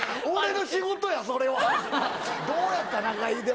俺の仕事やそれはどうやった中居？